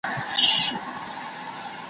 زما یې مات کړل په یوه ګوزار هډوکي `